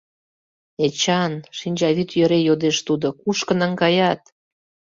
- Эчан, - шинчавӱд йӧре йодеш тудо, - кушко наҥгаят?